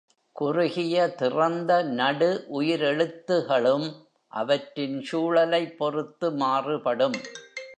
குறுகிய திறந்த-நடு உயிரெழுத்துகளும் அவற்றின் சூழலைப் பொறுத்து மாறுபடும்.